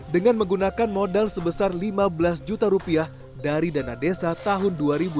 dengan menggunakan modal sebesar lima belas juta rupiah dari dana desa tahun dua ribu dua puluh